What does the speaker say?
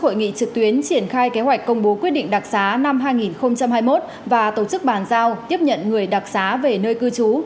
hội nghị trực tuyến triển khai kế hoạch công bố quyết định đặc xá năm hai nghìn hai mươi một và tổ chức bàn giao tiếp nhận người đặc xá về nơi cư trú